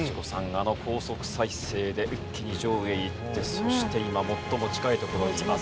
あの高速再生で一気に上位へ行ってそして今最も近いところにいます。